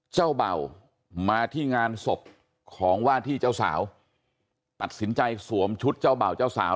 เจ้าเบ่ามาที่งานศพของว่าที่เจ้าสาวตัดสินใจสวมชุดเจ้าเบ่าเจ้าสาว